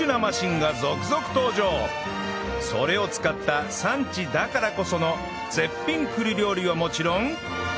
それを使った産地だからこその絶品栗料理はもちろん